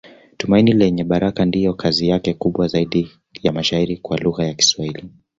Tumaini Lenye Baraka ndiyo kazi yake kubwa zaidi ya mashairi kwa lugha ya Kiswahili.